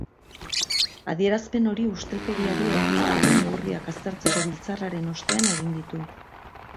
Adierazpen hori ustelkeriari aurre egiteko neurriak aztertzeko biltzarraren ostean egin ditu.